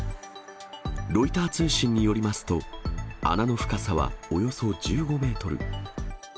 ロイター通信によりますと、穴の深さはおよそ１５メートル。